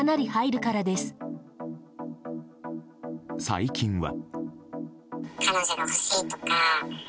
最近は。